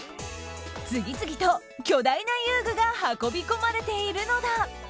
次々と巨大な遊具が運び込まれているのだ。